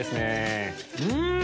うん！